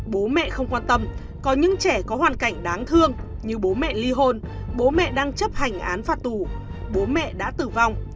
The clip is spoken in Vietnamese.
bố mẹ không quan tâm có những trẻ có hoàn cảnh đáng thương như bố mẹ ly hôn bố mẹ đang chấp hành án phạt tù bố mẹ đã tử vong